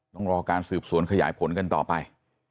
ต้องรอการสืบสวนขยายผลกันต่อไป